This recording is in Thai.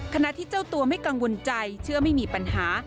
ขณะที่เจ้าตัวไม่กังวลใจเชื่อไม่มีปัญหา